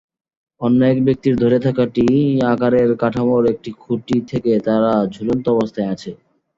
অন্য এক ব্যক্তির ধরে থাকা 'টি' আকারের কাঠামোর একটি খুঁটি থেকে তারা ঝুলন্ত অবস্থায় আছে।